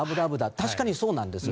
確かにそうなんです。